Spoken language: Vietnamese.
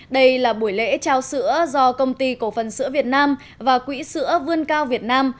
đây là buổi lễ trao sữa do công ty cổ phần sữa việt nam và quỹ sữa vươn cao việt nam